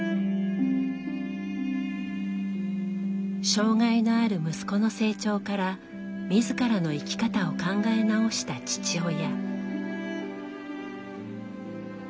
障害のある息子の成長から自らの生き方を考え直した父親。